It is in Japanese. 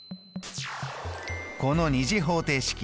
この２次方程式